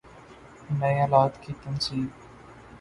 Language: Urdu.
نئے آلات کی تنصیب